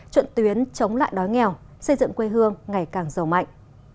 chuẩn tuyến chống lại đói nghèo xây dựng quê hương ngày càng giàu mạnh